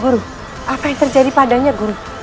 guru apa yang terjadi padanya guru